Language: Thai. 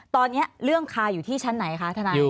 ตอนนี้เรื่องคาอยู่ที่ชั้นไหนคะทนาย